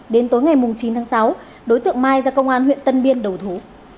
đến tối ngày chín tháng sáu đối tượng mai ra công an huyện tân biên đầu thú